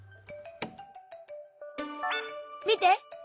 見て！